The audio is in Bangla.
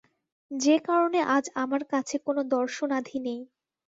যে-কারণে আজ আমার কাছে কোনো দর্শনাধী নেই।